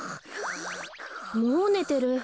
もうねてる。